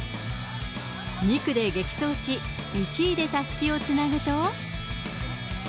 ２区で激走し、１位でたすきをつなぐと。